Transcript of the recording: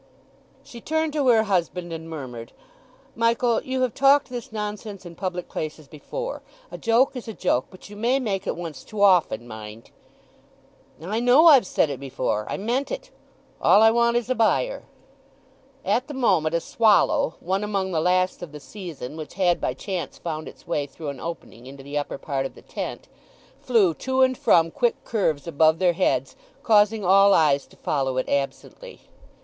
She turned to her husband and murmured, "Michael, you have talked this nonsense in public places before. A joke is a joke, but you may make it once too often, mind!" "I know I've said it before; I meant it. All I want is a buyer." At the moment a swallow, one among the last of the season, which had by chance found its way through an opening into the upper part of the tent, flew to and fro quick curves above their heads, causing all eyes to follow it absently.